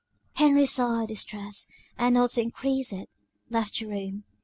Henry saw her distress, and not to increase it, left the room.